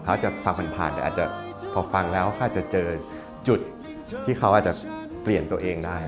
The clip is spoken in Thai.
เขาอาจจะฟังผ่านแต่อาจจะพอฟังแล้วเขาอาจจะเจอจุดที่เขาอาจจะเปลี่ยนตัวเองได้